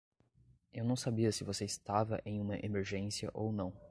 Eu não sabia se você estava em uma emergência ou não.